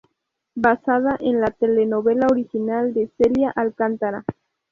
Basada en la telenovela original de Celia Alcantara.